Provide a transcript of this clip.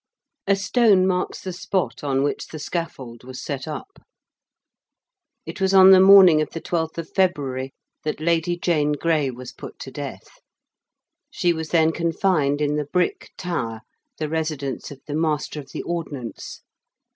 A stone marks the spot on which the scaffold was set up. It was on the morning of the 12th of February that Lady Jane Grey was put to death. She was then confined in the 'Brick' Tower, the residence of the Master of the Ordnance.